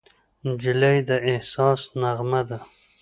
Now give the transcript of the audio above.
نجلۍ د احساس نغمه ده.